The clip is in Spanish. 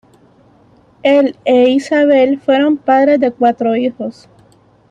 Él e Isabel fueron padres de cuatro hijos.